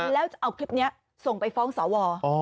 แล้วจะเอาคลิปนี้ส่งไปฟ้องสว